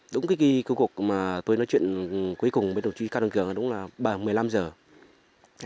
đúng cái kỳ cuối cuộc mà tôi nói chuyện cuối cùng với đồng chí cao đăng cường là đúng là bằng một mươi năm h